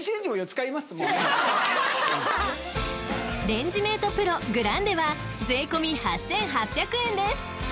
［レンジメートＰＲＯグランデは税込み８，８００円です］